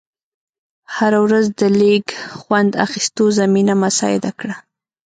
هره ورځ د لیږ خوند اخېستو زمینه مساعده کړه.